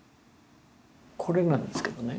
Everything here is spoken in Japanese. これなんですけどね。